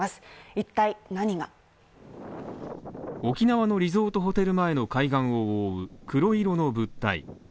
一体、何が沖縄のリゾートホテル前の海岸を覆う黒色の物体。